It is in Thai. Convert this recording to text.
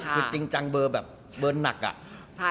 คือจริงจังเบอร์แบบเบอร์หนักอะ